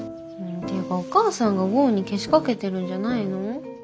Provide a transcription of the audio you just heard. っていうかお母さんが剛にけしかけてるんじゃないの？